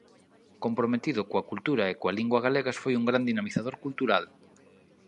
Comprometido coa cultura e coa lingua galegas foi un gran dinamizador cultural.